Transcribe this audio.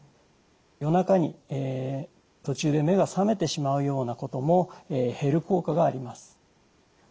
夜中に途中で目が覚めてしまうようなことも減る効果があります。